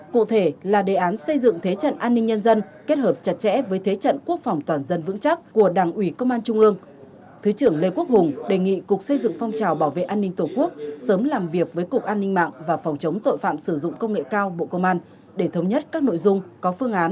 cụ thể là đề án xây dựng thế trận an ninh nhân dân kết hợp chặt chẽ với thế trận quốc phòng toàn dân vững chắc của đảng ủy công an trung ương